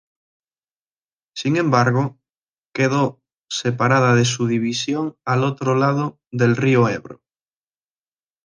Sin embargo, quedó separada de su división al otro lado del río Ebro.